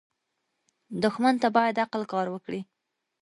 دښمن ته باید عقل کار وکړې